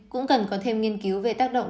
cũng cần có thêm nghiên cứu về tác động